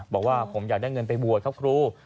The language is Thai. บอกว่าผมอยากได้เงินไปบวชครับครู